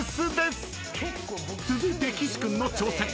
［続いて岸君の挑戦］